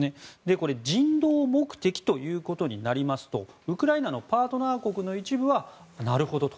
これ、人道目的ということになりますとウクライナのパートナー国の一部はなるほどと。